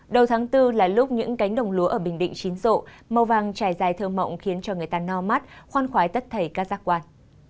đầu tháng bốn là lúc những cánh đồng lúa ở bình định chín rộ màu vàng trải dài thơ mộng khiến cho người ta no mắt khoan khoái tất thể các giác quan